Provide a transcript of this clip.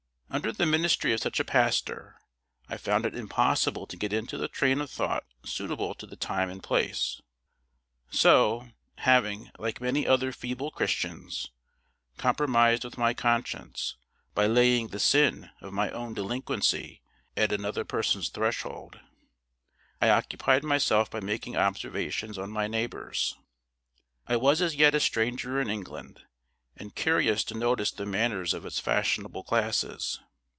Under the ministry of such a pastor, I found it impossible to get into the train of thought suitable to the time and place; so, having, like many other feeble Christians, compromised with my conscience, by laying the sin of my own delinquency at another person's threshold, I occupied myself by making observations on my neighbors. I was as yet a stranger in England, and curious to notice the manners of its fashionable classes.